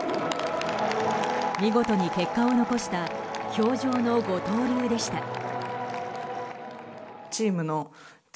見事に結果を残した氷上の五刀流でした。